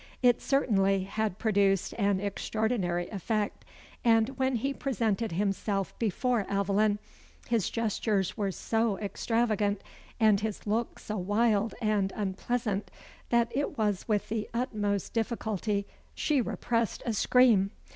It certainly had produced an extraordinary effect; and when he presented himself before Aveline, his gestures were so extravagant, and his looks so wild and unpleasant, that it was with the utmost difficulty she repressed a scream.